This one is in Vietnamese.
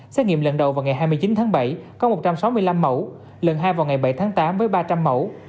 xét nghiệm lần đầu vào ngày hai mươi chín tháng bảy có một trăm sáu mươi năm mẫu lần hai vào ngày bảy tháng tám với ba trăm linh mẫu